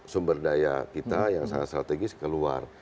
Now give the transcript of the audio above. sumber daya kita yang sangat strategis keluar